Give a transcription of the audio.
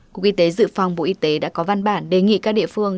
cục y tế dự phòng bộ y tế đã có văn bản đề nghị các địa phương